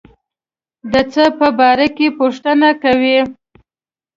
د څه په باره کې پوښتنه کوي.